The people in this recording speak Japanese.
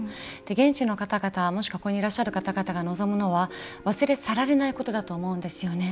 現地の方々、もしくはここにいらっしゃる方々が望むのは忘れ去られないことだと思うんですよね。